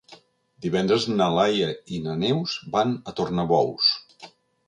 Divendres na Laia i na Neus van a Tornabous.